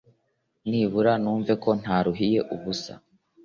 Nibura numve ko ntaruhira ubusa